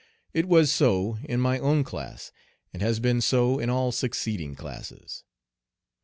It was so in my own class, and has been so in all succeeding classes.